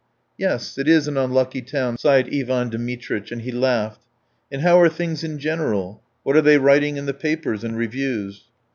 "Yes, it is an unlucky town," sighed Ivan Dmitritch, and he laughed. "And how are things in general? What are they writing in the papers and reviews?"